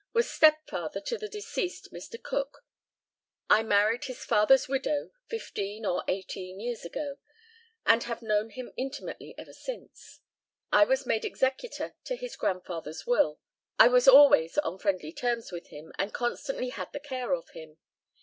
Was stepfather to the deceased Mr. Cook. I married his father's widow 15 (or 18) years ago, and have known him intimately ever since. I was made executor to his grandfather's will. I was always on friendly terms with him, and constantly had the care of him.